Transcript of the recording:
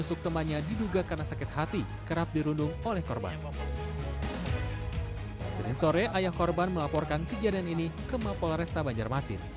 senin sore ayah korban melaporkan kejadian ini ke mapol resta banjarmasin